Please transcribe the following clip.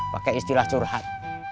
pakai istilah curhat